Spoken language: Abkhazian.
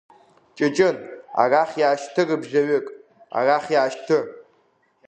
Ҷыҷын, арахь иаашьҭы рыбжаҩык, арахь иаашьҭы…